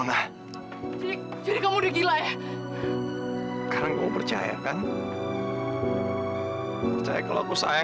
sampai jumpa di video selanjutnya